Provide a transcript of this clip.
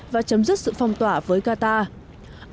và chấm dứt sự phong tỏa với qatar